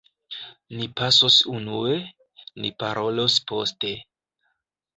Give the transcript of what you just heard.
Ni pasos unue; ni parolos poste.